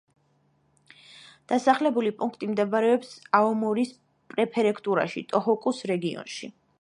დასახლებული პუნქტი მდებარეობს აომორის პრეფექტურაში, ტოჰოკუს რეგიონში.